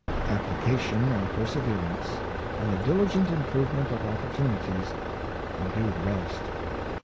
Application and per severance, and the diligent improvement of opportuni ties will do the rest.